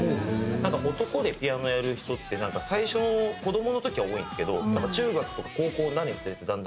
なんか男でピアノやる人って最初の子どもの時は多いんですけど中学とか高校になるにつれてだんだんみんな。